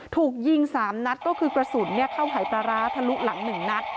ถูกยิง๓นัดก็คือกระสุนเข้าหายปลาร้าทะลุหลัง๑นัด